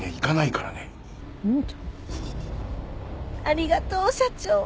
ありがとう社長。